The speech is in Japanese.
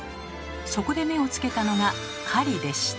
そこで目をつけたのが「狩り」でした。